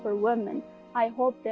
terutama untuk wanita